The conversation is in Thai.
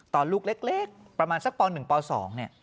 ตอนลูกเล็กประมาณสักป่อน๑ป่อน๒